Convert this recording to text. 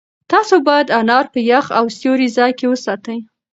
تاسو باید انار په یخ او سیوري ځای کې وساتئ.